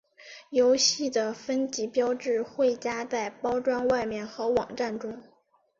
游戏的分级标志会加在包装外面和网站中。